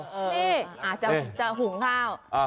นี่จะหุงข้าว